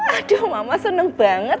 aduh mama seneng banget